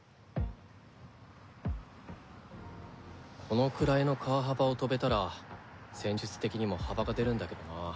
このくらいの川幅を飛べたら戦術的にも幅が出るんだけどな。